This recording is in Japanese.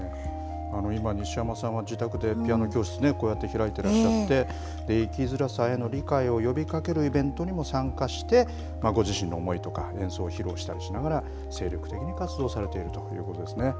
今、西濱さんは自宅でピアノ教室ね、こうやって開いてらっしゃって、生きづらさへの理解を呼びかけるイベントにも参加して、ご自身の思いとか、演奏を披露したりしながら、精力的に活動されているということですね。